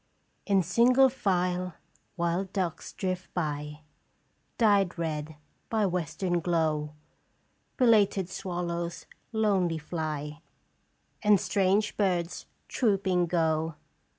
" In single file wild ducks drift by. Dyed red by western glow. Belated swallows lonely fly, And strange birds trooping go.